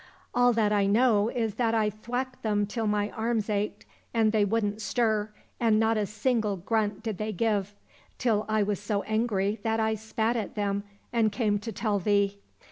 " All that I know is that I thwacked 'em till my arms ached, and they wouldn't stir, and not a single grunt did they give ; till I was so angry that I spat at them, and came to tell thee.